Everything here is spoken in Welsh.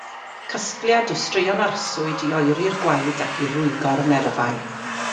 Casgliad o straeon arswyd i oeri'r gwaed ac i rwygo'r nerfau.